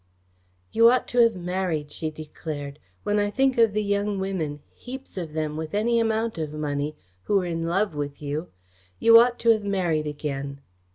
"You ought to have married," she declared. "When I think of the young women heaps of them with any amount of money who were in love with you! You ought to have married again."